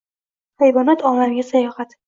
Hayvonot olamiga sayohat